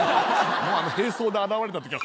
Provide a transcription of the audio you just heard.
もう並走で現れた時は。